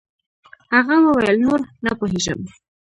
هغه وويل نور نه پوهېږم.